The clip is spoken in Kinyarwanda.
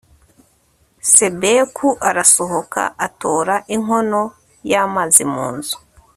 sebeku arasohoka, atora inkono y'amazi munzu